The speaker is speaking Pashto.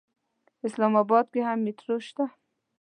اسلام اباد کې هم مېټرو شته.